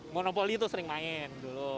monopoly tuh sering main dulu